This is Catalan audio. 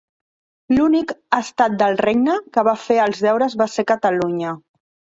L'únic estat del Regne que va fer els deures va ser Catalunya.